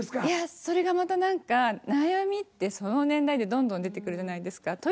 いやそれがまた何か悩みってその年代でどんどん出てくるじゃないですか。